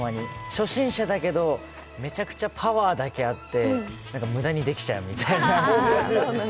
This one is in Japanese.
初心者だけどめちゃくちゃパワーだけあって無駄にできちゃうみたいな。